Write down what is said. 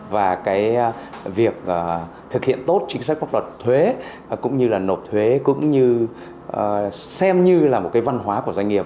và cái việc thực hiện tốt chính sách pháp luật thuế cũng như là nộp thuế cũng như xem như là một cái văn hóa của doanh nghiệp